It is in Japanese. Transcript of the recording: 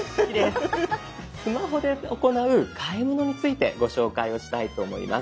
スマホで行う買い物についてご紹介をしたいと思います。